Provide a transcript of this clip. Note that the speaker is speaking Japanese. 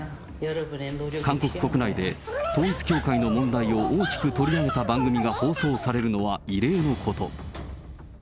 韓国国内で統一教会の問題を大きく取り上げた番組が放送されるのは異例のこと。